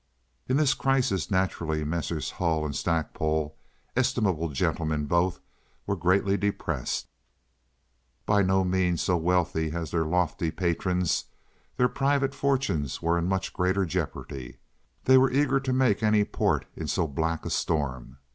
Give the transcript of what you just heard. In this crisis naturally Messrs. Hull and Stackpole—estimable gentlemen both—were greatly depressed. By no means so wealthy as their lofty patrons, their private fortunes were in much greater jeopardy. They were eager to make any port in so black a storm.